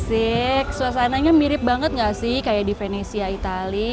asik suasananya mirip banget gak sih kayak di venesia itali